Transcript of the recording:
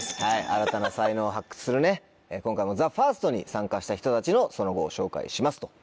新たな才能を発掘する今回もＴＨＥＦＩＲＳＴに参加した人たちのその後を紹介しますと。